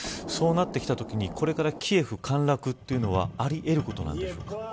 そうなってきたときにこれからキエフ陥落というのはありえることなんですか。